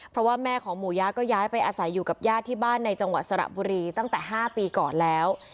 เพราะว่าแม่ของหมูยะก็ย้ายไปอาศัยอยู่กับญาติที่บ้านในจังหวัดสระบุรีตั้งแต่๕ปีก่อนแล้ว